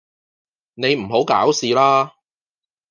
你唔好搞事啦